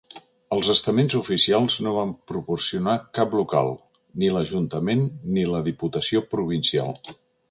Els estaments oficials no van proporcionar cap local, ni l'Ajuntament ni la Diputació Provincial.